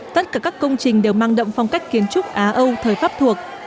tất cả các công trình đều mang động phong cách kiến trúc á âu thời pháp thuộc